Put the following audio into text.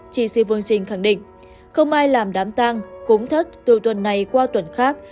chỉ sĩ vương trinh khẳng định không ai làm đám tang cúng thất từ tuần này qua tuần khác